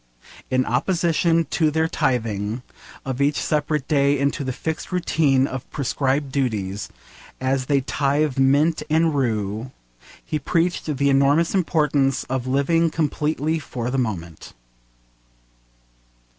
In opposition to their tithing of each separate day into the fixed routine of prescribed duties, as they tithe mint and rue, he preached the enormous importance of living completely for the moment.